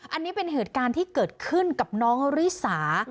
อันนี้เป็นเหตุการณ์ที่เกิดขึ้นกับน้องริสา